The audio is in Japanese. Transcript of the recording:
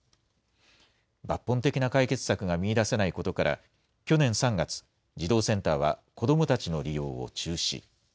抜本的な解決策が見いだせないことから、去年３月、児童センターは子どもたちの利用を中止。